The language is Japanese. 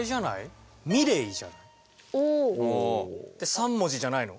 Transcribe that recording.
３文字じゃないの？